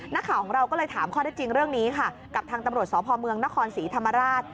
นักข่าวของเราก็เลยถามข้อได้จริงเรื่องนี้ค่ะกับทางตำรวจสพเมืองนครศรีธรรมราช